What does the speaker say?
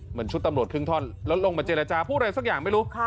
เหมือนชุดตำรวจครึ่งท่อนแล้วลงมาเจรจาพูดอะไรสักอย่างไม่รู้